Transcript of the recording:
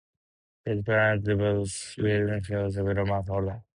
His parents divorced when he was several months old.